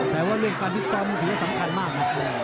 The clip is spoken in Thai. แปลว่าวิ่งการทดซ้ำมันถึงสัมพันธ์มาก